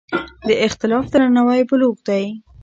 د اختلاف درناوی بلوغ دی